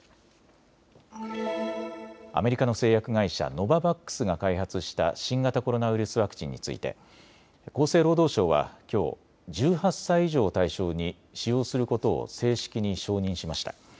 アメリカの製薬会社、ノババックスが開発した新型コロナウイルスワクチンについて厚生労働省はきょう１８歳以上を対象に使用することを正式に承認しました。